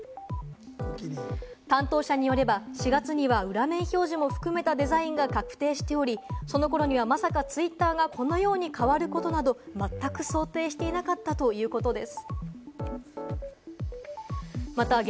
担当者によれば、４月には裏面表示も含めたデザインが確定しており、その頃にはまさかツイッターがこのように変わることなどまったく想定していなかったということです。